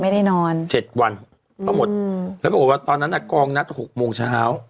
ไม่ได้นอนเจ็ดวันก็หมดอืมแล้วบอกว่าตอนนั้นน่ะกองนัดหกโมงเช้า